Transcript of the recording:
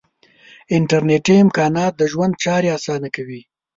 انټرنیټي امکانات د ژوند چارې آسانه کوي.